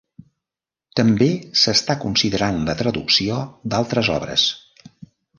També s'està considerant la traducció d'altres obres.